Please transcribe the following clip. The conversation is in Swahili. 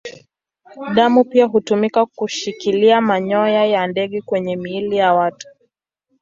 Damu pia hutumika kushikilia manyoya ya ndege kwenye miili ya watu.